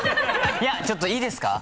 いやちょっといいですか？